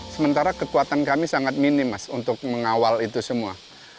sementara kekuatan kami sangat minim mas untuk mengawal itu semua